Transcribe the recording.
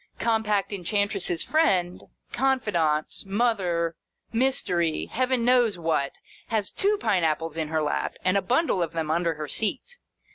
Compact Enchantress's friend, confidante, mother, mystery, Heaven knows what, has two pine apples in her lap, and a bundle of them under the seat.